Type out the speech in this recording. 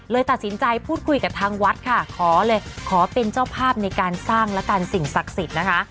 ตัดสินใจพูดคุยกับทางวัดค่ะขอเลยขอเป็นเจ้าภาพในการสร้างแล้วกันสิ่งศักดิ์สิทธิ์นะคะ